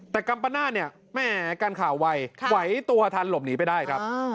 แต่กัมปนาศเนี่ยแม่การข่าวไวไหวตัวทันหลบหนีไปได้ครับ